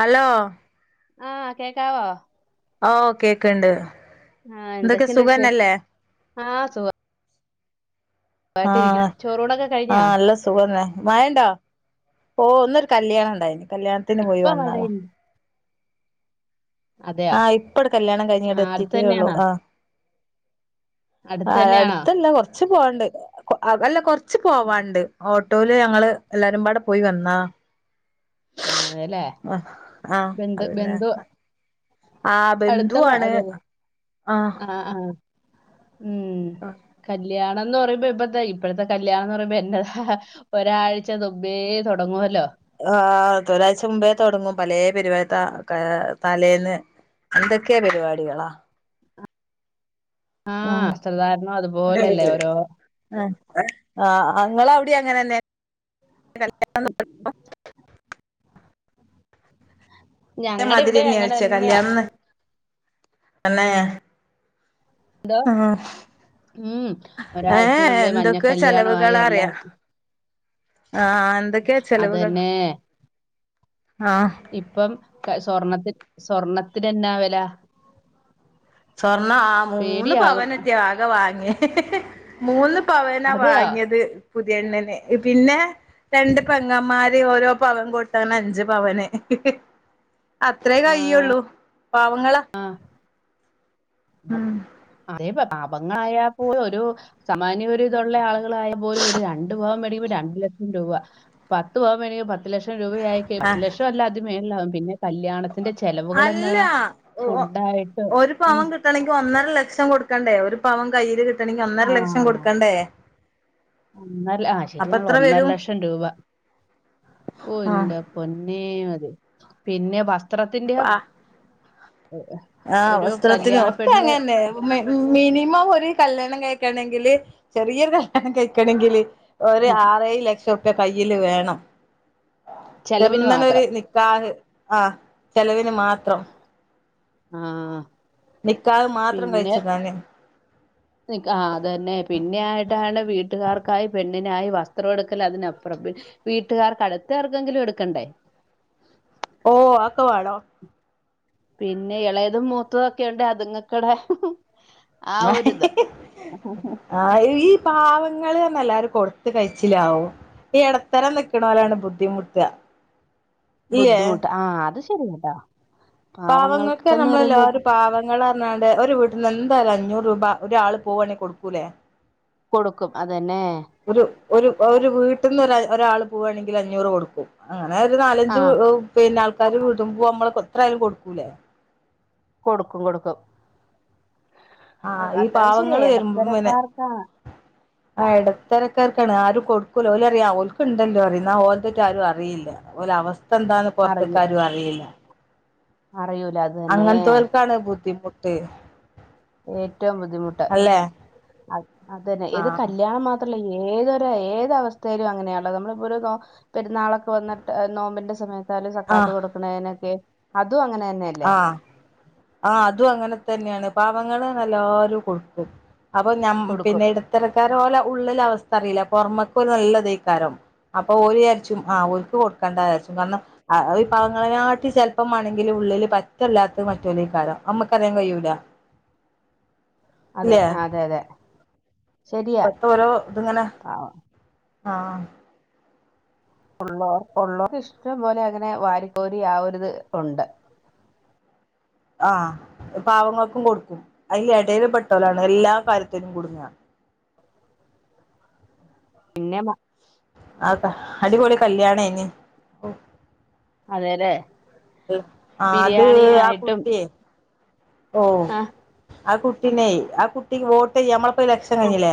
Hello ആ കേക്കാവോ ഓ കേക്ക്ണ്ട് ആ എന്തൊക്കെ എന്തൊക്കെണ്ട് വിശേഷം സുഖന്നല്ലേ ആ സുഖ ആ ആ കഴിഞ്ഞോ നല്ല സുഖന്നെ മയണ്ടോ ഓ ന്നൊരു കല്യാണം ണ്ടായിന് കല്യാണത്തിന് പോയി ഇപ്പൊ വന്നതാ മഴയില്ല അതെയോ ആ ഇപ്പട് കല്യാണം കഴിഞ് ഇങ്ങട്ട് ആഹ് അടുത്ത് എത്തിട്ടേ ള്ളു തന്നെയാണോ ആ ആ അടുത്ത് തന്നെയാണോ അടുത്തല്ല കൊറച്ച് [unintelligible] പോകാണ്ട്അല്ല കൊറച്ച് ച്ച് പോവാണ്ട് ഓ ട്ടോല് ഞങ്ങള് എല്ലാവാരുംപാടെ പോയി വന്നാ ആഹ് അതെല്ലേ ആ ആ ബന്ധു അതെലെ ബന്ധു ആ അടുത്തുള്ള ബന്ധുവാണ് അതെ ആ ആഹ് ആഹ് ഉം കല്യാ കല്യാണം ന്ന് പറയുമ്പോ ഇപ്പോഴത്തെ ഇപ്പോഴത്തെ കല്യാണം ന്ന് പറയുമ്പോ എന്നതാ ഒരാഴ്ച മുമ്പേ തൊടങ്ങുവല്ലോ ആ ഒരാഴ്ച മുമ്പേ തൊടങ്ങും പലേ പരി തലേന്ന് ന്തൊക്കെ പരിപാടികളാ ആഹ് സധാരണ അതുപോലെല്ലെ ഓരോ ആ ങ്ങളവ്ടിം അങ്ങനെന്നെ [unintelligible] ഞങ്ങടെ ഇവിടെ അങ്ങനെ മധുരംന്ന്യാച്ചേ തന്നെയാ കല്യാണംന്ന്‌ തന്നേ ന്തോ ഉം ഒരാഴ്ച ഏഹ് നുമ്പേ മഞ്ഞ എന്തൊക്കെ കല്യാണമായി ചെലവുകളാറിയാ എല്ലാം ആഹ് എന്തൊക്കെ ചെലവുകൾ അതെന്നേ ആഹ് ഇപ്പം ക സ്വർണ്ണത്തി സ്വർണത്തിനെന്നാ വെലാ സ്വർണം ആഹ് മൂന്ന് പവനെറ്റെ ആകെ വാങ്ങ്യെ മൂന്ന് പവനാ അതെയോ വാങ്ങിയത് പുതിയ പെണ്ണിന്, പിന്നെ രണ്ട് പെങ്ങമ്മാര് ഓരോ പവൻ കൊടുത്ത്, അങ്ങനെ അഞ്ച് പവന്. അത്രെയേ കഴിയുള്ളൂ. പാവങ്ങളാ ഉം അതെ പ പാവങ്ങളായാ പോലും ഒരു സാമാന്യ ഒരു ഇതൊള്ള ആളുകളായാ പോലും ഒരു രണ്ട് പവൻ വേടിക്കുമ്പോ രണ്ട് ലക്ഷം രൂപ, പത്തു പവൻ വേടിക്കുമ്പോ പത് ലക്ഷം രൂപ ആയി കഴി പത്തു ലക്ഷം അല്ല അതി മേ ല്ലാം പിന്നെ കല്യാണത്തിന്റെ ചെലവുകൾ അല്ല എന്നതാ ഫുഡായിട്ടും ഒരു ഉം പവൻ കിട്ടണമെങ്കിൽ ഒന്നര ലക്ഷം കൊടുക്കണ്ടേ ഒരു പവൻ കയ്യില് കി ആഹ് ഒന്നര ആഹ് അപ്പൊ ശെരിയാണല്ലോ എത്ര ഒന്നര വരും ലക്ഷം രൂപ ഓ ആ എന്റെ പൊന്നേ അത് പിന്നെ വസ് ത്രത്തിന്റെയോ? ആഹ് വസ്ത്രത്തിനു ഒക്കെ അങ്ങനെന്നെ മി മിനിമം ഒരു കല്യാണം കഴി ക്കണെങ്കില് ചെറിയ ഒരു കല്യാണം കഴിക്കണെങ്കില് ഒരു ആറേഴു ലക്ഷം ഒക്കെ കയ്യില് വേണം ചെലവിന് എങ്ങനെ ഒരു മാത്രം നിക്കാഹ് ആ ചെലവിന് മാത്രം ആ നിക്കാഹ് മാത്രം പിന്നെ കഴിച്ചിടാന് നിക്ക ആ അതന്നെ പിന്നെ ആ ട്ടാണ് വീട്ടുകാർക്കായി പെണ്ണിനായി വസ്ത്രം എടുക്കലതിനപ്പുറം വീട്ടുകാർക്ക് അടുത്ത ആർക്കെങ്കിലും എടുക്കണ്ടേ ഓ ആക്കവാടോ പിന്നെ എളയതും മൂത്തതൊക്കെയൊണ്ട് അതുങ്ങക്കടെ ആ ആഹ് ഈ പാവ ങ്ങള് എല്ലാരും കൊടുത്തു കഴിച്ചിലാവും ഈ ഇടത്തരം നിക്കണോരാണ് ബുദ്ധിമുട്ടുക ഇല്ലേ ബുദ്ധിമുട്ട് ആഹ് അത് ശെ രിയാട്ടാ പാവങ്ങൾക്ക് നമ്മളെല്ലാരും പാവങ്ങളാ ന്നാണ്ട് ഒരു വീട്ടിൽന്ന് എന്തായാലും അഞ്ഞൂറ് രൂപ ഒരാള് പോവാണെങ്കിൽ കൊടുക്കൂലേ കൊടുക്കും അത ന്നേ ഒരു ഒരു ഒരു വീട്ട്ന്ന് ഒരാള് പോവാണെങ്കില് അഞ്ഞൂറ് കൊടുക്കും അ ന്നാ ഒരു ആ നാലഞ്ച് പിന്നെ ആൾക്കാര് വിടുമ്പോ നമ്മള്ക്കെത്ര ആയാലും കൊടുക്കൂലേ കൊടുക്കും കൊടുക്കും അത് ആഹ് ഈ അത് ശരിയാ പാവങ്ങള് വരുമ്പം പിന്നെ ഇടത്തരക്കാർക്കാ ആ എടത്തരക്കാർ ക്കാണ് ആരും കൊടുക്കൂല്ല ഓലറിയാം ഓൽക്ക് ഇണ്ടല്ലോ പറയും എന്നാ ഓലത് ട്ടും ആരും അറിയില്ല ഓല അവസ് ഇതെന്താന്ന് അറിയൂ പുറത്ത്ക്കാരും അറിയില്ല അറിയൂല അത് തന്നെ അങ്ങനത്തോൽക്കാണ് ബുദ്ധിമു ട്ടേ ഏറ്റവും ബുദ്ധിമുട്ട് അത് തന്നെ ഏത് ആഹ് കല്യാണം മാ ത്തുള്ള ഏതൊരു ഏത് അവസ്ഥയിലും അങ്ങനെയള്ളത് നമ്മളിപ്പോ ഒരു ഏഹ് പെരുന്നാളൊക്കെ വന്നിട്ട് നോമ്പിന്റെ സമയ ത്താല് സക്കാത്തു ആഹ് കൊടുക്കണേനൊക്കെ അ തും അങ്ങനെ തന്നെയല്ലേ ആഹ് ആഹ് അതും അങ്ങനെത്തന്നെയാണ് പാവങ്ങള് എല്ലാരും കൊടുക്കും അപ്പൊ ഞ കൊടുക്കും പിന്നെ ഇടത്തര ക്കാരെ ഓലെ ഉള്ളില അവസ്ഥ അറിയില്ല പൊറമേക്കു നല്ല ഇതേയ് കാരം അപ്പൊ ഓല് വിചാരിച്ചു ആ ഓല്ക്ക് കൊടുക്കണ്ട വിചാരിച്ചു ന്ന് പറഞ്ഞാ അത് [unintelligible] ചെലപ്പം മാണെങ്കില് ഉള്ളില് പറ്റെ ഇല്ലാത്ത [unintelligible] അമ്മക്ക് അറിയാൻ കഴിയൂല അതെ ഇല്ലേ ആഹ് അതെ അതെ ശെരിയാ ഇപ്പത്തെ ഓരോ ഇതിങ്ങനെ പാവം ആഹ് ഉള്ളെ ഒള്ളൊരിഷ്ട്ടം പോലെ അങ്ങനെ വാരിക്കോരി ആ ഒരിത് ഉണ്ട് ആ പാവങ്ങൾക്കും കൊടുക്കും അയിന് എടെലപ്പെട്ടോലാണ് എല്ലാകാര്യത്തിലും കുടുങ്ങ പിന്നെ [unintelligible] ആ ഇത്ത അടിപൊളി കല്ല്യാണായിന് ഉം അതെലെ ആത് ആ കുട്ടിയെ ഓ ആ ആ കു പിന്നെ ആ കുട്ടി ഇങ്ങോട്ട് നമ്മള ഇപ്പ ഇലക്ഷൻ ആ കഴിഞ്ഞില്ലേ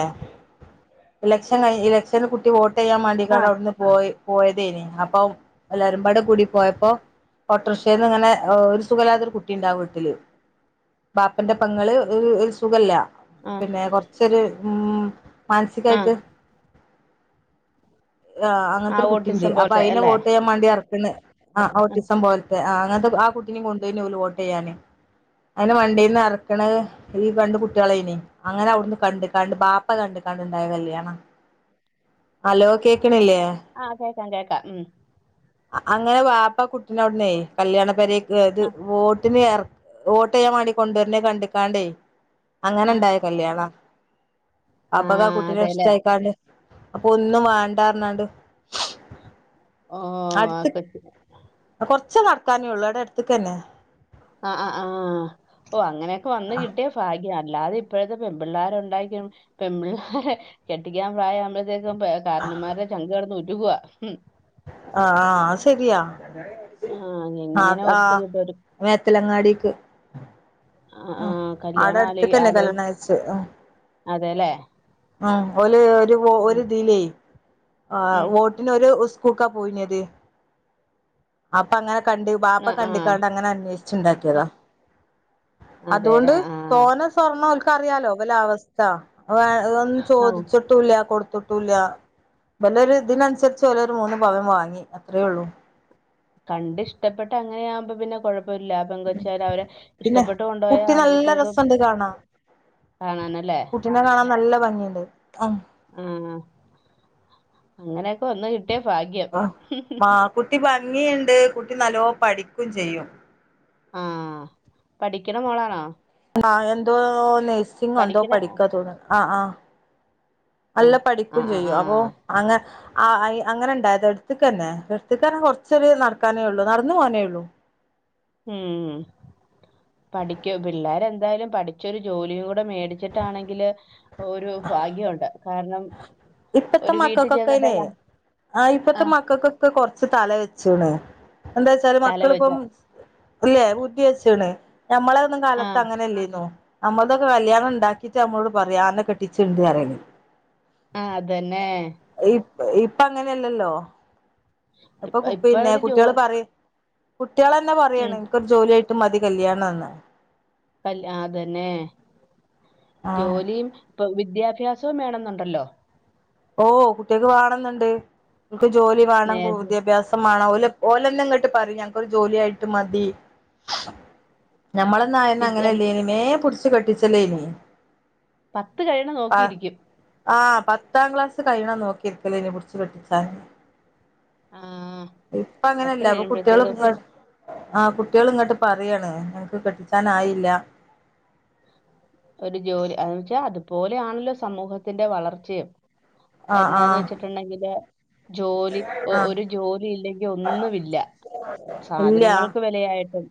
ഇലക്ഷൻ കഴി ഇലക്ഷന് കുട്ടി വോട്ട് ആ ചെയ്യാമെട്ടിട്ടാണ് അവിടുന്ന് പോയി പോയതേനി അപ്പോ എല്ലരുമ്പാട കൂടി പോയപ്പോ ഓട്ടോറിക്ഷന്ന് ഇങ്ങനെ ഒരു സുഖല്ലിത്ത കുട്ടി ഉണ്ട് ആ വീട്ടില് പാപ്പന്റെ പേങ്ങള് [unintelligible] സുഖല്ല ആ പിന്നെ കൊറച്ചൊരു ഉം ആ മാനസികായിട്ട് ആ അങ്ങനത്തെ ഒരു കുട്ടിയുണ്ട് ഓട്ടിസം അപ്പ പോലത്തെ അതിനെ അല്ലേ വോട്ടേയ്യാൻ വേണ്ടി എറ പിന്നെ ആ ഓട്ടിസം പോ ത്തെ അങ്ങനത്തെ ആ കുട്ടിനിം കൊണ്ടേയിന് വോട്ടേയ്യാന് അതിന് വണ്ടിന്ന് ഇറക്കണത് ഈ രണ്ട് കുട്ടികളായിനി അങ്ങനെ അവിടന്ന് കണ്ട് കണ്ട് ബാപ്പ കണ്ട് കണ്ട് ഇണ്ടായ കല്യാണ ഹലോ കേൾക്കാ ക്കണില്ലേ ച [unintelligible] ഉം അങ്ങനെ വാപ്പാ കുട്ടിനവിടെന്ന് കല്യാണ പേരെ ഏത് ആ വോ ട്ടിനു എറ വോട്ടെയ്യാൻ വേണ്ടി കൊണ്ടുവരുന്നേ കണ്ടിക്കാണ്ടേ അങ്ങനെ ആ ഇണ്ടായ കല്യാണാ വാപ്പാക്ക് ആ കുട്ടിനെ ഇഷ്ടായിക്കാണ്ട് അപ്പോ ഒന്നും വേണ്ടാനാണ്ട് ഓ ആ കട്ട് ച്ച് നടക്കാനേ ഉള്ളൂ ഇവിടെ അടുത്തേക്കെന്നെ ആ ആ ആഹ് ഓ അങ്ങനെയൊക്കേ വന്ന് കിട്ടിയ ഫാഗ്യം ആണ് അല്ലാതെ ഇപ്പോഴത്തെ പെൺപിള്ളോരുണ്ടായി കഴിയുമ്പോ പെൺപിള്ളേരെ കെട്ടിക്കാൻ പ്രായം ആവുമ്പോഴ്ത്തേ മ്പേ കർന്നോമാരെ ചങ്ക് കേടന്ന് ഉരു വ്വ് ഉം ആ ശരിയാ ആ ആ എങ്ങനെ ആ ഒത്തു കിട്ടും ഒരു മേത്തലങ്ങാടിക്ക് ആ ആ അ ആടെ കല്യാണം അടുത്തേക്കല്ലെ കല്യാണംകഴിച്ചെ അ അതെല്ലെ ആ ഓല് ട്ട് ഓ ഒരുതിലേ ആ ഉം വോട്ടിനൊരു സ് പോക്കാ പോയിഞ്ഞത് അപ്പ അങ്ങനെ കണ്ട് ബാപ്പ ആ ആ കണ്ടുക്കണ്ടങ്ങനെ അന്വേഷിച്ചുണ്ടാ ട്ടിയതാ അതെല്ലേ അതുകൊണ്ട് ആ ആ തോന സ്വർണ ക്കറിയാലോ ഇവലവസ്ഥ അതൊന്നും ആ ചോദിച്ചിട്ടുല്ല കൊടു തൊട്ടൂല്ല വല്ല ഒരു ഇതിനനുസരിച്ച് പോല ഒരു മൂന്ന് പവൻ വാങ്ങി അത്രയേ ഉള്ളൂ കണ്ട് ഇഷ്ടപ്പെട്ട് അങ്ങനെയാവുമ്പോ പിന്നെ കുഴ പ്പല്ല പെങ്കച്ചാര് അവരെ പിന്നെ ഇഷ്ടപ്പെട്ട് കൊണ്ടുപോയാ കുട്ടി നല്ല ആവുമ്പോഴത്തേക്കും രസണ്ട് കാണാൻ കാണാന് ലെ അ ആ അങ്ങനെയൊക്കെ ഒന്ന് കി ഹ് മാ കുട്ടി ഭാ ഗിയുണ്ട് കുട്ടി നല്ലോ പഠിക്കും ചെയ്യും ആ പഠിക്കണ മോളാണോ ആ എന്തോന്നോ ന്നെ സിംഗ് എന്തോ പഠിക്കണ പഠിക്ക തോന്നുന്ന ആ ആ അല്ല ആ ആ പഠിക്കും ആ ആ ചെയ്യും അപ്പൊ അങ്ങ ആ അയ് അങ്ങനെ ഉണ്ടായത് എടുത്തക്ക് തന്നെ എടുത്തക്ക് തന്നെ കൊറച്ചൊരു നടക്കാനേ ഉള്ളു നടന്നു പോനേ ഉള്ളു ഉം പഠിക്ക പിള്ളരെ എന്തായാലും പഠിച്ചൊരു ജോലി കൂ ടെ മേടിച്ചിട്ടാണെങ്കില് ഒരു ഭാഗ്യംണ്ട് കാരണം ഇപ്പത്തെ ഒരു വീട്ടിൽ മക്കൾക്കൊക്കെനെ ചെന്നിട്ടല്ല ആ ഇപ്പത്തെ മക്കൾക്കൊക്കെ കൊറച്ച് തല വെ ചുണ് എന്താച്ചാല് തല വെച്ച മക്കളിപ്പം അല്ലേ ബുദ്ധി വെച്ച്ണ് ഞമ്മളെ ഒന്നും ആ കാലത്ത് അങ്ങനെല്ലേയ്ന്നു നമ്മൾതൊക്കെ കല്ല്യാണം ഉണ്ടാക്കിയിട്ട് നമ്മളോട് പറിയാ അന്നെ കെട്ടിച്ച്ണ്ട് പറിയല് ആ അതന്നേ ഇപ് ഇപ്പ അങ്ങനെല്ലല്ലോ ഇപ്പൊ ഇപ്പ കു ഇപ്പ പിന്നെ ഒരു ജോ കുട്ട്യാള് പറിം പുട്ട് കുട്ടേളെന്നെ ഉം പറയാണ് ഇൻക്കൊരു ജോലായി ട്ട് മതി കല്യാണം ന്ന് കല് അതന്നെ ആ ജോലിം പ്പൊ വിദ്യാഭ്യാ സോം വേണെന്നുണ്ടല്ലോ ഓ കുട്ടേക്ക് വേണന്ന്ണ്ട് ക്ക് ജോലി വേണം കു നേരത്തെ ദ്യാഭ്യാസം മാണം ഓലെന്നെ ഇങ്ങട്ട് പറിം ഞങ്ങൾ ജോലിയായിട്ട് മതി നമ്മളൊന്നും ആയന്ന് വിദ്യ അങ്ങനെ അല്ലെനീ മേം പുട്ച്ച് ച്ച് കെട്ടിച്ചലേനി പത്ത് കഴിയ്ണെ നോക്കിയിരിക്കും ആ പത്ത് ത്താം ക്ലാസ്സ്‌ കഴിയ്ണെ നോക്കിയിരിക്കലേനി പുട്ച്ച് കെട്ടിച്ചാന് ആ ഇപ്പൊ പത്ത് അങ്ങനെല്ല കുട്ട്യോള് കഴിയുമ്പോഴത്തേക്കും ഇങ്ങട്ട് ആ കുട്ട്യോള് ഇങ്ങട്ട് പറാണ് ഞങ്ങൾക്ക് കെട്ടിച്ചാന് ആയില്ല ഒരു ജോലി അതുവെച്ച അത് പോലെയാണല്ലോ സമൂഹത്തിന്റെ വളർച്ചയും ആഹ് എന്നാ ആഹ് വെച്ചിട്ട്ണ്ടെങ്കില് ജോലി ആഹ് ഒരു ജോലി ഇല്ലെങ്കിൽ ഒന്നുമില്ല സാധനങ്ങൾക്ക് വിലയായാലും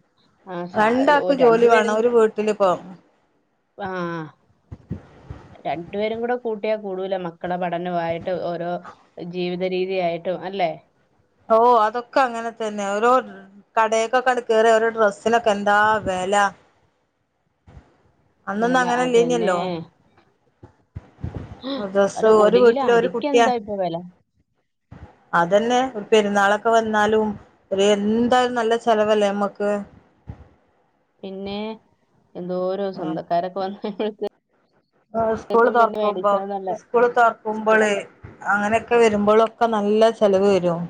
രണ്ടാക്കും ജോലി വേണം ഒരു വീട്ടില് പ്പൊമ് ആ രണ്ടു പേരുകൂട്ടിയാൽ കൂടൂല മക്കളെ പഠനമായാലും ഓരോ ജീവിത രീതി ആയാലും അല്ലെ ഓ അതൊക്കെ അങ്ങനെ തന്നെ ഓരോ കടേക്കൊക്കെ കയറിയാൽ ഓരോ ഡ്രസ്സൊനൊക്കെ എന്താ വെല അന്നൊന്നും വെല അതെന്നെ അങ്ങനെല്ലേനല്ലോ ഡ്രസ്സ് അല്ല ഒരു കിലോ വീട്ടില് അരിക്കെന്താ പ്പൊ വെല അതെന്നെ പെരുന്നാളൊക്കെ വന്നാലും എന്തായാലും നല്ല ചെലവല്ലേ നമ്മക്ക് പിന്നേ എന്തൊരു സ്വന്തക്കാരെ പോലെ [unintelligible] ഏ സ്കൂള് തൊർക്കുമ്പോ മേടിച്ചോന്നല്ലേ. ഇസ്കൂല് സ്കൂ തൊർക്കുമ്പോള് അങ്ങനെക്കെ വരുമ്പോളൊക്കെ നല്ല ചെലവ് വരും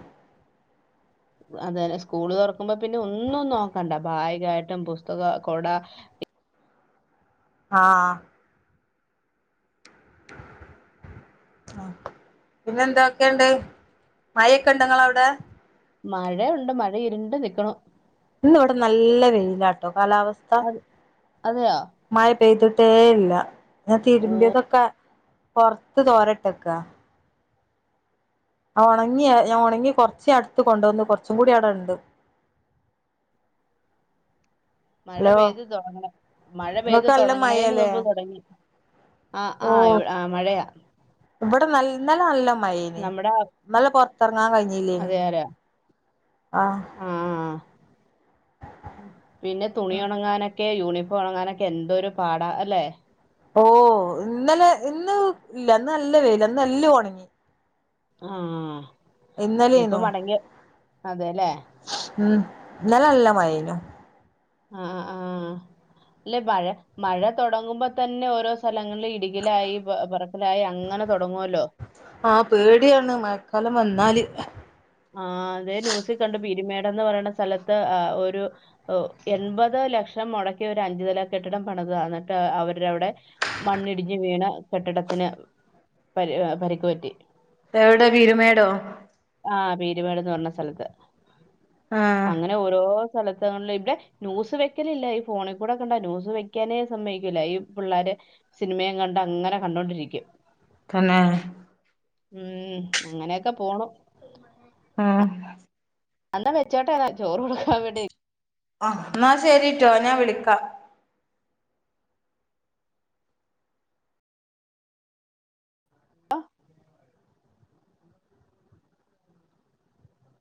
അതെന്നെ സ്കൂൾ തൊർക്കുമ്പോ പിന്നെ ഒന്നും നോക്കണ്ട ബായ്ഗായിട്ടും പുസ്തകം കോട ആ പിന്നെ എന്തൊയ്ക്കെ ഉണ്ട് മയക്കെ ഇണ്ടോ ഇങ്ങളവിടെ നൽക്കണോ ഇന്ന് ഇവിടെ നല്ല വെയിലാട്ടോ കാലാവസ്ഥ അത് അതെയോ മായ ചെയ്തിട്ടേ ഇല്ല ഞാൻ തിരുമ്പതൊക്കെ പൊർത്ത് തോരട്ടക്കാ ആ ഒണങ്ങിയേ ഞാൻ ഒണങ്ങി കൊർച്ച് ഞാൻ എട്ത്ത് കൊണ്ടന്നു കൊർച്ചും കൂടി അവിടെണ്ട് മഴ പെയ്ത് തൊടങ്ങ്ണ് ഇങ്ങക്ക് നല്ല തൊടങ്ങണേന് മഴയാല്ലേ മുമ്പ് തൊടങ്ങി ഓ ഇവടെ നൽ ഇന്നലെ നല്ല മഴേയ്ന് നമ്മുടെ ഇന്നലെ പൊർ ങ്ങാ കഴിഞ്ഞല്ലേയ്ന്ന് അതെ അതെ ആ പിന്നെ തുണി ഉണങ്ങാനൊക്കെ ക്കെ യൂണിഫോം ഒണങ്ങാനാനൊക്കെ എന്തൊരു പാടാ അല്ലേ ഓ ഇന്നലെ ഇന്ന് ഇല്ല ഇന്ന് നല്ല വെയിലാ ഇന്ന് എല്ലതും ഒണങ്ങി ആ ഇപ്പം ഇന്നലേന്നു മടങ്ങിയ അതേല്ലേ ഇന്നലല്ല മഴെനു ആ ആഹ അല്ലെ മഴ മഴ തൊടങ്ങുമ്പോ തന്നെ ഓരോ സ്ഥലങ്ങളില് ഇടിങ്ങിലായി ലായി അങ്ങനെ തൊടങ്ങുവല്ലോ? ആഹ് പേടിയാണ് മഴക്കാലം വന്നാല് ആ അതെ ന്യൂസി കണ്ട് പീരുമേട് എന്ന് പറയണ സ്ഥലത്ത് ഏഹ് ഒരു ഏഹ് എൺപത് ലക്ഷം മൊടക്കി ഒര് അഞ്ചുനില കെട്ടിടം പണിതതാ എന്നിട്ട് ഏഹ് അവരടെ അവിടെ മണ്ണിടിഞ്ഞ് വീണ് കെട്ടിടത്തിന് പരി ഏഹ് പരിക്ക് പറ്റി. എവിടെ പീരുമേടോ? ആഹ് പീരുമേട് എന്ന് പറഞ്ഞ സ്ഥലത്ത് ആഹ് അങ്ങനെ ഓരോ സ്ഥലത്തങ്ങളിലെയൊക്കെ ന്യൂസ് വെക്കലില്ല, ഈ ഫോണി കൂടെ കണ്ട, ന്യൂസ് വെക്കാനേ സമ്മയിക്കൂല്ല, ഈ പിള്ളാര് സിനിമയും കണ്ട് അങ്ങനെ കണ്ടോണ്ടിരിക്കും. പിന്നെ ഉം അങ്ങനെയൊക്കെ പോണു. ആഹ് അന്നാ വെച്ചോട്ടെന്നാ ചോറ് കൊടുക്കാൻ വേണ്ടി ആഹ് എന്നാ ശെരി ട്ടോ ഞാൻ വിളിക്കാ